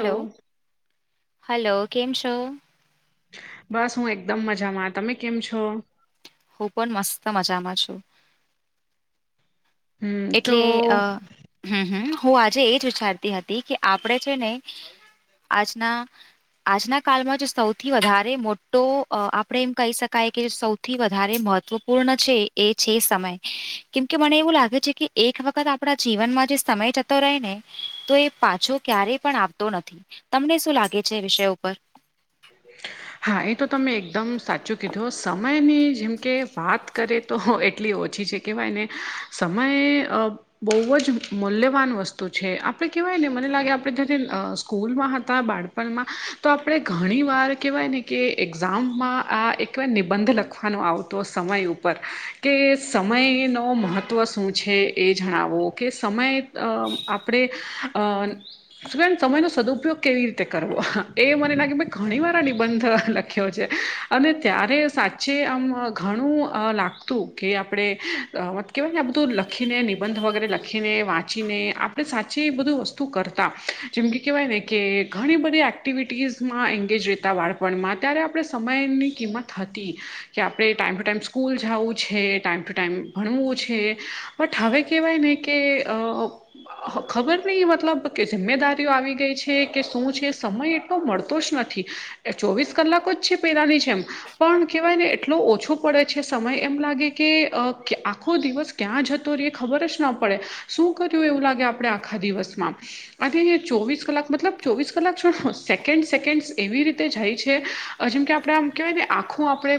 તો હલો કેમ છો બસ હું એકદમ મજામાં તમે કેમ છો હું પણ મસ્ત મજામાં છું હમ તો એટલે અ હમ હમ હું આજે એજ વિચારતી હતી કે આપણે છે ને આજ ના આજના કળમાં જો સૌથી વધારે મોટો આપણેે એમ કહી શકાય કે સૌ થી વધારે મહત્વપૂર્ણ છે એ છે સમય કેમકે મને એવું લાગે છે કે એક વખત આપણા જીવનમાં જે સમય જતો રહે ને તો એ પાછો ક્યારેય પણ આવતો નથી તમને શું લાગે છે વિષય ઉપર [inaudible] [inaudible] હા એ તો તમે એકદમ સાચું કીધું સમયની જેમ કે વાત કરે તો એટલી ઓછી છે કહેવાય ને સમયે બહુ જ મૂલ્યવાન વસ્તુ છે આપડણે કેહેવાય ને મને લાગે આપણે જ્યારે સ્કૂલમાં હતા બાળકો તો આપણે ઘણી વાર કહેવાય ને કે એક્ઝામમાં આ એકવાર નિબંધ લખવાનો આવતો સમય ઉપર કે સમયનો મહત્ત્વ શું છે એ જણાવો કે સમય અ આપણે અ સમયનોો સદુપયોગ કેવી રીતે કરવો એ મને લાગે ઘણીવાર નિબંધ લખ્યો છે અને ત્યારે સાચે આમ ઘણું લાગ તું કે આપણે મ કહેવાય ને આ બધું લખીને નિબંધ વગેરે લખીને વાંચીને આપ આપણે સાચી એ બધું વસ્તુ કરતા જેમ કે કહેવાય ને કે ઘણી બધી એક્ટિવિટીઝમાં ળપણમાં ત્યારે આપણે સમયની કિંમત હતી કે આપણે ટાઈમ ટુ ટાઈમ સ્કૂલ જવું છે ટાઈમ ટુ ટાઈમ ભણવું છે બટ હવે કહેવાય ને કે ખબર નહી મતલબ કે જિમ્મેદારીઓ આવી ગઈ છે કે શું છે સમય એટલો મળતો જ નથી ચોવીસ કલાકો જ છે પેલાની છે એમ પણ કેહેવાય ને એટલો ઓછો પડે છે સમય એમ લાગે કે આખો દિવસ ક્યાં જતો રહીએ ખબર જ ન પડે શું કર્યું એવું લાગે આપણે આખા દિવસમાં આજે અયા ચોવીસ કલાક મતલબ ચોવીસ કલાક છોો સેકન્ડ સેકન્ડ એવી રીતે જાય છે જેમ કે આપણે આમ કહેવાય ને આખું આપણે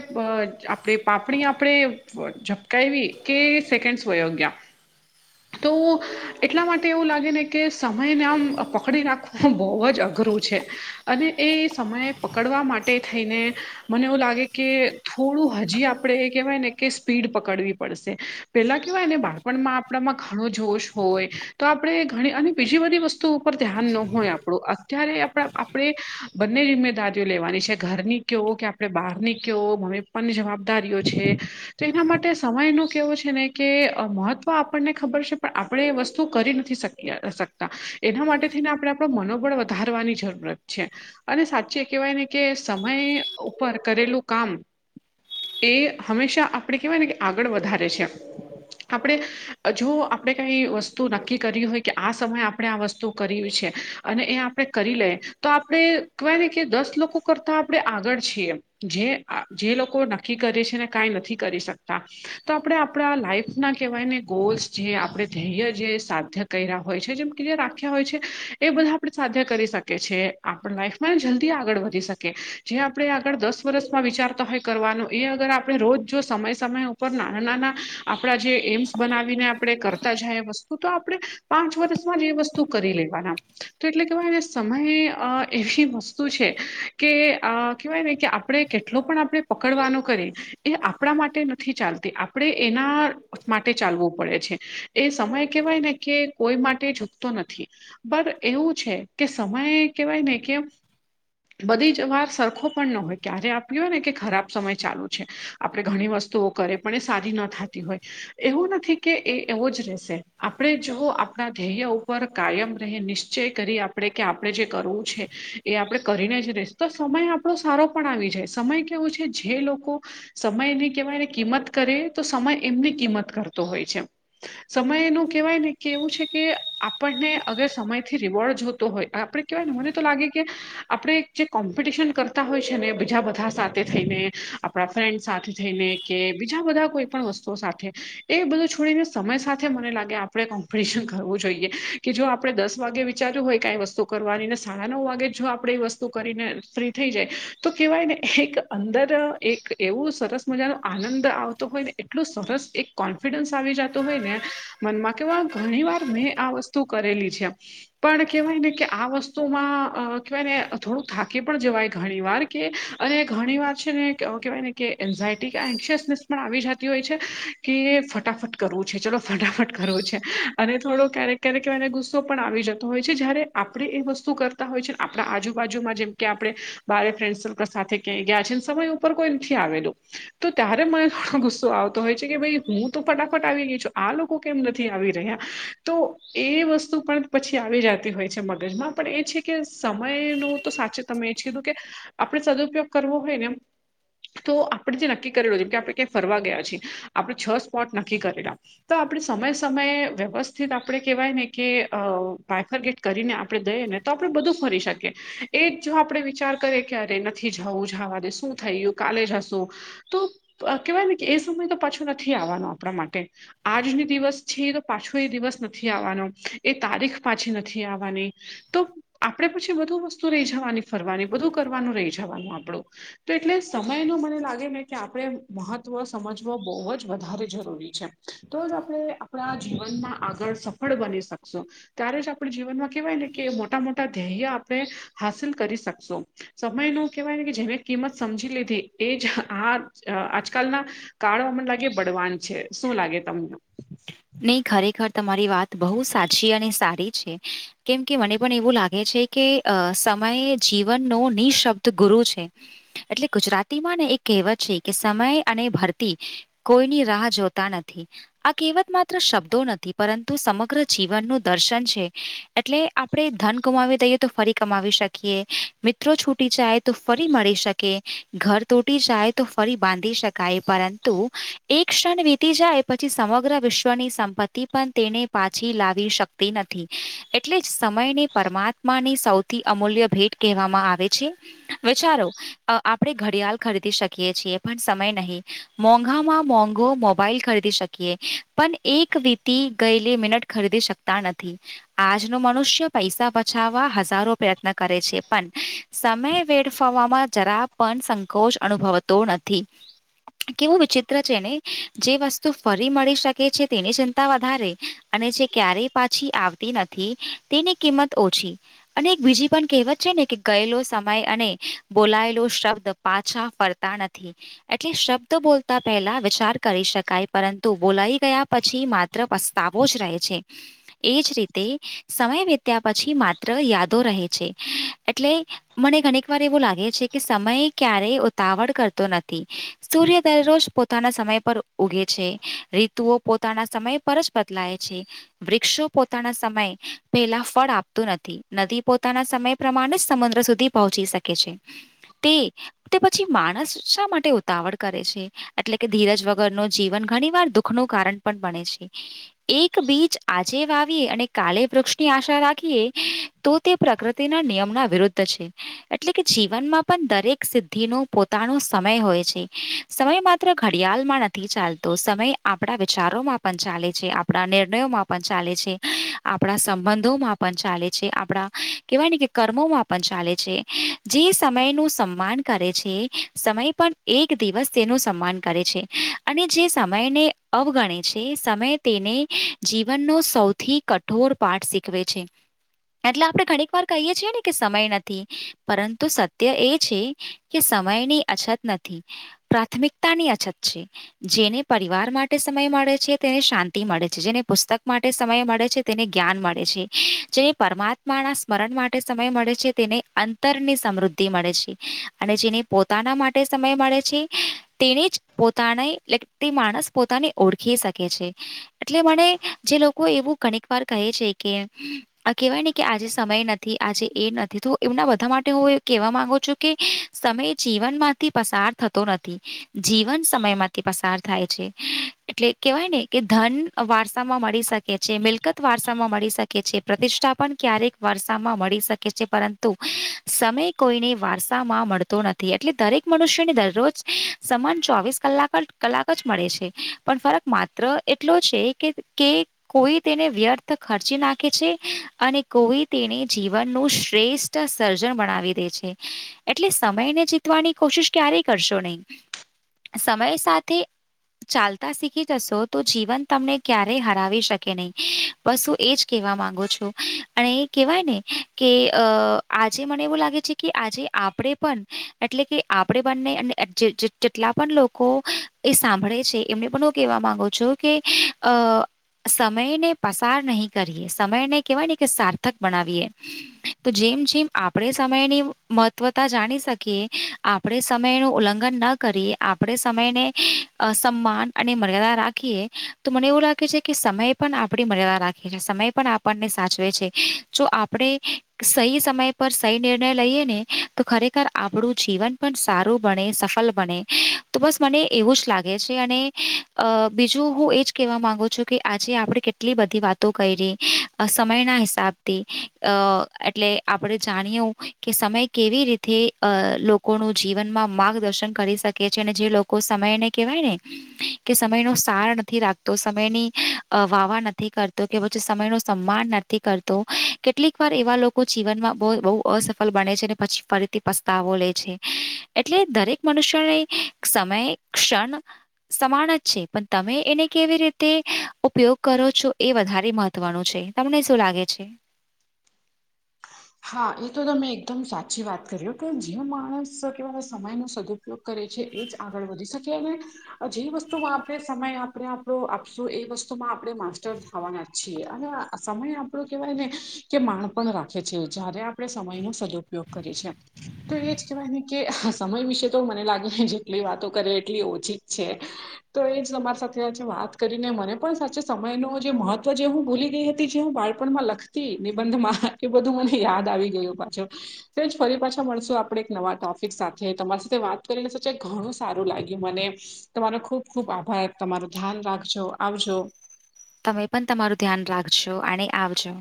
આપણે પાપણી આપણે ઝપકાવવી કે સેકન્ડ વયોગ્યા [unintelligible] તો એટલા માટે એવું લાગે ને કે સમયને આમ પકડી નાખવું બહુ જ અઘરું છે અને એ સમય પકડવા માટે થઈને મને એવું લાગે કે થોડું હજી આપણે એ કહેવાય ને કે સ્પીડ પકડવી પડશે પેલા કેવાયને બાળપણમાં આપણામાં ઘણો જોશ હોય. તો આપણે ઘણી અને બીજી બધી વસ્તુ ઉપર ધ્યાન ન હોય આપણું. અત્યારે આપણા આપણે બંને જિ્મેદારીઓ લેવાની છે ઘરની કેવો કે આપણે બહારની કેવો મમ્મી પપ્પાની જવાબદારીઓ છે. તો એના માટે સમય ન કેવો છે ને કે મહત્વ આપણને ખબર છે પણ આપણે એ વસ્તુ કરી નથી શકતા. શકતા એના માટે થીને આપડણે આપણ મનોબળ વધારવાની જરૂરત છે. અને સાચી કહેવાય ને કે સમય ઉપર કરેલું કામ એ હંમેશા આપણે કહેવાય ને કે આગળ વધારે છે. આપણે જો આપણે કઈ વસ્તુ નક્કી કરી હોય કે આ સમયે આપણે આ વસ્તુ કરી છે. અને એ આપણે કરી લે તો આપણે કે દસ લોકો કરતા આપણે આગળ છીએ જે લોકો નકી કરે છે ને કંઈ નથી કરી શકતા. તો આપણે આપણા લાઈફ ના કહેવાય ને ગોલ્સ જે આપણે ધેય છે સાધ્ય કર્યા હોય છે જેમ કે જે રાખ્યા હોય છે એ બધા આપણે સાધ્ય કરી શકીએ છેએ આપ લાઈફ મને જલ્દી આગળ વધી શકે. જે આપણે આગળ દસ વર્ષમાં વિચારતા હોય કરવાનો એ અગર આપણે રોજ જો સમય સમય ઉપર નાના નાના આપણા જે એમ્સ બનાવીને આપણે કરતા જાય એ વસ્તુ તો આપણે પાંચ વર્ષમાં જ એ વસ્તુ કરી લેવાના. તો એટલે કેવાય સમય એવી વસ્તુ છે કે કેવાય ને કે આપણે કેટલો પણ આપણે પકડવાનો કરી એ આપણા માટે નથી ચાલતી આપણે એના માટે ચાલવું પડે છે. એ સમય કેહેવાય ને કે કોઈ માટે ઝૂકતો નથી. બ એવું છે કે સમયે કેહેવાય ને કે [unintelligible] બધી જ વાર સરખો પણ ન હોય ક્યારે આપ્યું હોય ને કે ખરાબ સમય ચાલુ છે. આપણે ઘણી વસ્તુઓ કરે પણ એ સદી ન થતી હોય એવું નથી કે એ એવો જ રહેશે. આપણે જો આપણા ધેય ઉપર કાયમ ર નિશ્ચય કરી આપણે કે આપણે જે કરવું છે એ આપણે કરીને જ રહીશ તો સમય આપણો સારો પણ આવી જાય. સમય કેવો છે જે લોકો સમયને કહેવાય કિંમત કરે તો સમય એમની કિંમત કરતો હોય છે. સમય ન કેવાય ને કે એવું છે કે આપણને અગર સમયથી રિવોર્ડ જોતો હોય, આપણે કે ન મને તો લાગે કે આપણે જે કોમ્પિટિશન કરતા હોય છે ને બીજા બધા સાથે થઈને આપણા ફ્રેન્ડ સાથે થઈને કે બીજા બધા કોઈ પણ વસ્તુઓ સાથે એ બધું છોડીને સમય સાથે મને લાગે આપણેે કોમ્પિટિશન કરવું જોઈએ કે જો આપણે દસ વાગે ચાર્યું હોય કઈ વસ્ત કરવાનીને સાડા નવ વાગે જો આપણે એ વસ્તુ કરીને ફ્રી થઈ જાય તો કેહેવાય ને એક અંદર એક એવું સરસ મજાનો આનંદ આવતો હોય ને એટલું સરસ એક કોન્ફિડન્સ આવી જતો હોય ને મનમાં કેવાય ઘણી વાર મેં આ વસ્તુ કરેલી છે. પણ કેહેવાય ને કે આ વસ્તુમાં અ કેવાય ને થોડુંક થાકી પણ જવાય ઘણી વાર કે અને ઘણી વાર છે ને કેવાયને કે એન્ઝાયટી કે એન્શિયસનેસ પણ આવી જતી હોય છે કે ફટાફટ કરવું છે. ચલો ફટાફટ કરવો છે અને થોડો ક્યારેક ક્યારેક એને ગુસ્સો પણ આવી જતો હોય છે. જારે આપડે એ વસ્તુ કરતા હોય છે. આપણા આજુબાજુમાં જેમ કે આપણે બારે ફ્રેન્ડ સર્કલ સાથે ક્યાં ગયા છે ને સમય ઉપર કોઈ નથી આવેલો તો ત્યારે મને થોડો ગુસ્સો આવતો હોય છે કે ભાઈ હું તો ફટાફટ આવી ગઈ છું આ લોકો કેમ નથી આવી રહ્યા. તો એ વસ્તુ પણ પછી આવી જતી હોય છે. મગજમાં પણ એ છે કે સમય ન તો સાચું તમે એ કીધું કે આપણે સદુપયોગ કરવો હોય ને એમ તો આપણે જે નક્કી કરેલું જેમ કે આપણે ક્યાંય ફરવા ગયા છીએ આપણે છ સ્પોટ નક્કી કરેલા. તો આપણે સમયે સમયે વ્યવસ્થિત આપણે કેહેવાય ને કેાયફર ગેટ કરીને આપણે દઈએ ને તો આપડે બધું ફરી શકે એ જો આપડણે વિચાર કરીએ કે અરે નથી જવું જવા દે શું થયયું કાલે જશું તો કેવાય ને કે એ સમય તો પાછો નથી આવવાનો આપણા માટે આજની દિવસ છે એ તો પાછો એ દિવસ નથી આવવાનો એ તારીખ પાછી નથી આવવાની તો આપણેે પછી બધુ વસ્તુ રહી જવાની ફરવાની બધું કરવાનું રહી જવાનું આપણું તો એટલે સમય ન મને લાગે ને કે આપણે મહત્ત્વ સમજવ બહુ જ વધારે જરૂરી છે તો જ આપણે આપણા જીવનમાં આગળ સફળ બની શકશો ત્યારે જ આપણે જીવનમાં કેહેવાય ને કે મોટા મોટા ધેય આપણે હાસિલ કરી શકશો સમય ન કેહેવાય ને કે જેને કિંમત સમજી લીધી એ જ આ આજકાલના કાળો મમને લાગે બળવાન છે શું લાગે તમને નહી ખરેખર તમારી વાત બહુ સાચી અને સારી છે કેમ કે મને પણ એવું લાગે છે કે અ સમયે જીવનનો નિશબ્દ ગુરુ છે એટલે ગુજરાતીમાં ને એક કહેવત છે કે સમય અને ભરતી કોઈની રાહ જોતા નથી આ કહેવત મા શબ્દો નથી પરંતુ સમગ્ર જીવન નું દર્શન છે એટલે આપણે ધન ગુમાવી દઈએ તો ફરી કમાવી શકીએ મિત્રો છૂટી જાય તો ફરી મળી શકીએ કે ઘર તૂટી જાય તો ફરી બાંધી શકાય પરંતુ એક ક્ષણ વીતી જાય પછી સમગ્ર વિશ્વ [unintelligible] ની સંપત્તિ પણ તેને પાછી લાવી શકતી નથી એટલે જ સમયને. પરમાત્મા ની સૌથી અમૂલ્ય ભેટ કહેવામાં આવે છે વિચારો આપણેે ઘડિયાળ ખરીદી શકીએ છીએ પણ સમય નહીિ મોંઘામાં મોંઘો મોબાઈલ ખરીદી શકીએ પણ એક વીતી ગયેલી મિનટ ખરીદી શકતા નથી આજનો મનુષ્ય પૈસા બચાવવા હજારો પ્રયત્ન કરે છે પણ સમય વેડફવામાં જરા પણ સંકોચ અનુભવતો નથી કેવું વિચિત્ર છે ને જે વસ્તુ ફરી મળી શકે છે તેની ચિંતા વધારે અને જે ક્યારેય પાછી આવતી નથી તેની કિંમત ઓછી અને એક બીજી પણ કહેવત છે ને કે ગયેલો સમય અને બોલાયેલો શબ્દ પાછા ફરતા નથી એટલે શબ્દ બોલતા પહેલા વિચાર કરી શકાય પરંતુ બોલાયી. ગયા પછી માત્ર પસ્તાવો જ રહે છે એજ રીતે. સમય વિત્યા પછી માત્ર યાદો રહે છે એટલે મને ઘણીક વાર એવું લાગે છે કે સમય ક્યારેય ઉતાવળ કરતો નથી સૂર્ય દરરોજ પોતાના સમય પર. ઉગે છે રીતુઓ પોતાના સમય પર જ બદલાય છે. વૃક્ષો પોતાના સમયે પેલા ફળ આપતું નથી નદી પોતાના સમયે. પ્રમાણે જ સમુદ્ર સુધી પહોંચી શકે છે તે. તે પછી માણસ શા માટે ઉતાવળ કરે છે એટલે કે ધીરજ વગર નું જીવન ઘણી વાર દુખ. દુખ નું કારણ પણ બને છે. એક બીજ આજે વાવીએ અને કાલે વૃક્ષની આશા રાખીએ. તો તે પ્રકૃતિના નિયમના વિરુદ્ધ છે. એટલે કે જીવનમાં પણ દરેક સિદ્ધિ નો પોતાનો સમય હોય છે. સમય માત્ર ઘડિયાળમાં નથી ચાલતો સમય. આપણા વિચારોમાં પણ ચાલે છે આપણા નિર્ણયોમાં પણ ચાલે છે આપણા સંબંધોમાં ચાલે છે આપણા કેવાયને કે કર્મોમાં પણ ચાલે છે જે સમય નું સન્માન. કરે છે સમય પણ એક દિવસ તેનું સન્માન કરે છે અને જે સમયને. અવગણે છે સમય તેને જીવનનો સૌથી કઠોર પાઠ શીખવે છે. એટલે આપણે ઘણીક વાર કહીએ છીએ ને કે સમય નથી પરંતુ સત્ય એ છે. કે સમયની અછત નથી પ્રાથમિકતાની અછત છે જેને પરિવાર મા- સમય મળે છે તેને શાંતિ મળે છે જેને પુસ્તક માટે સમય મળે છે તેને જ્ઞાન મળે છે જેને. પરમાત્માના સ્મરણ માટે સમય મળે છે તેને અંતરની સમૃદ્ધિ મળે છે અને જેને. પોતાના માટે સમય મળે છે તેને જ પોતાને લગતી માણસ. પોતાને ઓળખી શકે છે. એટલે મને જે લોકો એવું ઘણીક વાર કહે છે કે. આ કેહેવાય ને કે આજે સમય નથી આજે એ નથી તો એમના બધા માટે હું કેહેવા માંગુ છું કે. સમય જીવન માંથી પસાર થતો નથી જીવન સમયમાંથી પસાર થાય છે. એટલે કેવાય ને કે ધન વારસા માં મળી શકે છે મિલકત વારસામાં મળી શકે. પ્રતિષ્ઠા પણ ક્યારેક વારસામાં મળી શકે છે પરંતુ સમય કોઈને. વારસામાં મળતો નથી એટલે દરેક મનુષ્યને દરરોજ સમાન ચોવીસ કલાક જ. કલાક જ મળે છે પણ ફરક માત્ર એટલો છે કે કે. કોઈ તેને વ્યર્થ ખર્ચી નાખે છે અને કોઈ તેને જીવનનું શ્રેષ્ઠ. સર્જન બનાવી દે છે. એટલે સમયને જીતવાની કોશિશ ક્યારેય કરશો નહી સમય સાથે. ચાલતા શીખી જશો તો જીવન તમને ક્યારેય હરાવી શકે નહી. બસ હું એજ કહેવા માંગો છો અને એ કેહેવાય ને કે અ આજે મને એવું લાગે છે. કે આજે આપડે પણ એટલે કે આપડે બંને જેટલા પણ લોકો- એ સાંભળે છે એમને પણ હું કેહેવા માંગુ છું કે અ- સમયને પસાર નહી કરીએે સમયને કેહેવાય ને કે સાર્થક બનાવએ- તો જેમ જેમ આપણેે સમયની મહત્વતા જાણી શકીએ- આપણે સમય નું ઉલ્લંઘન ન કરીએ આપણે સમયને- સમ્માન અને મર્યાદા રાખીએ તો મને એવું લાગે છે કે સમય પણ આપણે મર્યાદા રાખીએ છીએ સમય પણ આપન- આપણને સાચવે છે જો આપણે સહી સમય પર સહી નિર્ણય લઈએ ને તો ખરેખર. આપણું જીવન પણ સારું બને સફળ બને તો બસ મને એવું જ લાગે. બીજું હું એજ કહેવા માંગુ છું કે આજે આપે કેટલી બધી વાત. તું કરી સમય ના હિસાબથી અ એટલે આપણે જાણીય હું. કે સમય કેવી રીતે અ લોકોનું જીવનમાં માર્ગદર્શન કરી શકે છે અને જે લોકો સમયને. કેવાય ને. કે સમય નો સાર નથી રાખતો સમયની વાવા નથી કરતો કે પછી સમય ન સન્માન નથી. કરતો કેટલીક વાર એવા લોકો જીવનમાં બહુ અસફળ બને છે અને પછી ફરી. પસ્તાવો લે છે એટલે દરેક મનુષ્યોને સમય ક્ષણ. સમાન જ છે પણ તમે એને કેવી રીતે ઉપયોગ કરો છો એ વધારે મહત્વ. થવાનું છે તમને શું લાગે છે. હા એ તો તમે એકદમ સાચી વાત કરી હો બેન કે જે માણસ કેવા સમય ન સદ ઉપ ઉપયોગ કરે છે એ જ આગળ વધી શકે અને. જે વસ્તુમાં આપણે સમય આપણે આપણો આપશું એ વસ્તુમાં આપણે માસ્ટર- ખાવાના છીએ અને સમય આપડો કેવાય ને કે માણપણ રાખે- જો છો જ્યારે આપણે સમય નો સદુપયોગ કરીએ છ છે. તો એ જ કહેવાય ને કે સમય વિશે તો મને લાગે ને જેટલી વાતો કરે એટલી ઓછી જ છે. તો એ જ તમારા સાથે આજે વાત કરીને મને પણ સાચે સમય ન જે મહત્વ જે હું ભૂલી ગઈ હતી જે હું બાળ- પણમાં લખતી નિબંધમાં એ બધું મને યાદ આવી ગયું પાછું- તોજ ફરી પાછા મળશું આપણે એક નવા ટોપિક સાથે તમારી સાથે વાત કરીને સાચ ઘણું સારું લાગ્યું મને- તમારો ખુબ ખુબ આભાર તમારું ધ્યાન રાખજો આવજો- તમે પણ તમારું ધ્યાન રાખજો અને આવજો-